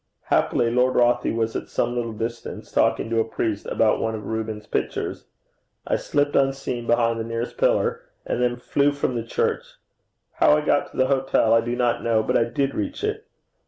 Happily Lord Rothie was at some little distance talking to a priest about one of Rubens's pictures. I slipped unseen behind the nearest pillar, and then flew from the church. How I got to the hotel I do not know, but I did reach it.